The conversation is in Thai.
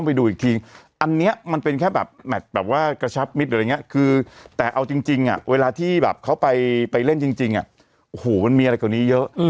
ฝูมันมีอะไรกว่านี้เยอะ